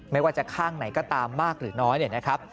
ไม่ว่าจะข้างไหนก็ตามมากหรือน้อยเนี่ยนะครับ